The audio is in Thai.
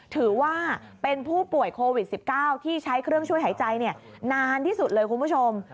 ถือว่าเป็นผู้ป่วยโควิด๑๙ที่ใช้เครื่องช่วยหายใจนานที่สุดเลยคุณผู้ชม